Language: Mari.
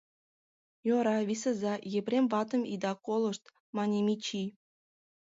- Йӧра, висыза, Епрем ватым ида колышт, - мане Мичи.